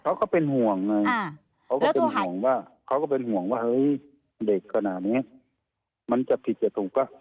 เขาก็เป็นห่วงไงเขาก็เป็นห่วงว่าเฮ้ยเด็กขนาดนี้มันจะผิดจะถูกก่ะ